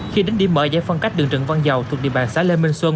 khi đến đi mở giải phân cách đường trần văn dầu thuộc địa bàn xã lê minh xuân